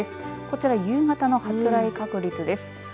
こちら夕方の発雷確率です。